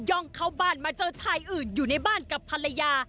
่องเข้าบ้านมาเจอชายอื่นอยู่ในบ้านกับภรรยา